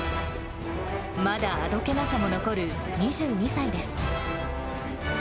まだあどけなさも残る２２歳です。